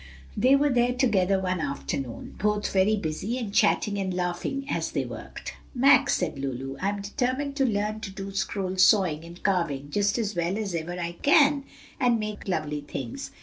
They were there together one afternoon, both very busy and chatting and laughing as they worked. "Max," said Lulu, "I'm determined to learn to do scroll sawing and carving just as well as ever I can, and make lovely things!